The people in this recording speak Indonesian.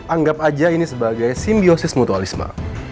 anggap aja ini sebagai simbiosis mutualisme